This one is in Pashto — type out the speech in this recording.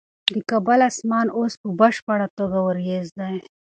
د کابل اسمان اوس په بشپړه توګه وریځ دی.